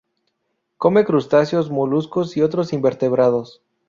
Come crustáceos, moluscos y otros invertebrados.